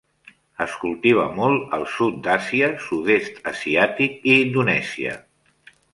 Es cultiva molt al sud d'Àsia, sud-est asiàtic i Indonèsia.